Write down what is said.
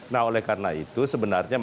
nah oleh karena itu sebenarnya